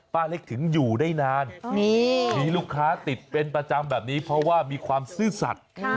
เล็กถึงอยู่ได้นานมีลูกค้าติดเป็นประจำแบบนี้เพราะว่ามีความซื่อสัตว์